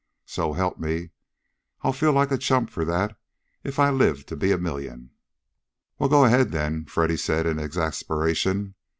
So help me! I'll feel like a chump for that if I live to be a million." "Well, go ahead then!" Freddy said in exasperation.